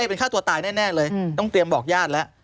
เป็นฆ่าตัวตายแน่เลยต้องเตรียมบอกญาติแล้ว